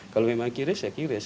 kalau memang kiris ya kiris